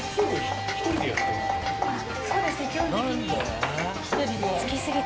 そうですね